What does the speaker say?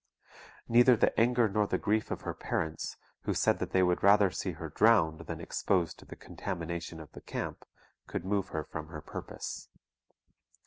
Neither the anger nor the grief of her parents, who said that they would rather see her drowned than exposed to the contamination of the camp, could move her from her purpose.